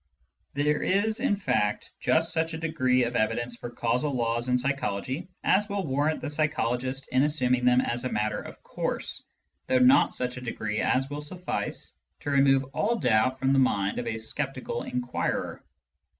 There is, in fact, just such a degree of evidence for causal laws in psychology as will warrant the psychologist in assuming them as a matter of course, though not such a degree as will suffice to remove all doubt from the mind of a sceptical inquirer.